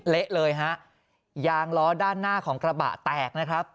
เละเลยฮะยางล้อด้านหน้าของกระบะแตกนะครับ